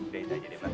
biarin aja deh mbak